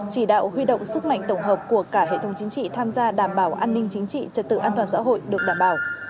chỉ đạo huy động sức mạnh tổng hợp của cả hệ thống chính trị tham gia đảm bảo an ninh chính trị trật tự an toàn xã hội được đảm bảo